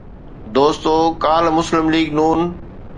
دوستو ڪالهه مسلم ليگ ن